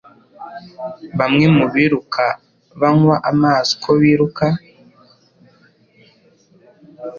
Bamwe mu biruka banywa amazi uko biruka